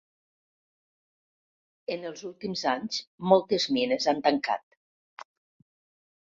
En els últims anys moltes mines han tancat.